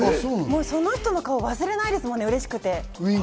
その人の顔、忘れないですもんね、うれしくて。